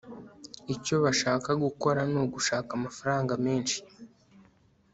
icyo bashaka gukora ni ugushaka amafaranga menshi